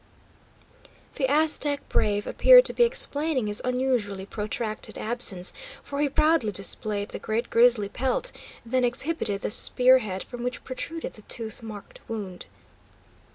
The Aztec brave appeared to be explaining his unusually protracted absence, for he proudly displayed the great grizzly pelt, then exhibited the spear head from which protruded the tooth marked wood.